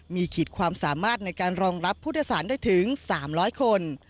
มีขีดความสามารถในการรองรับผู้โดยสารได้ถึง๓๐๐คน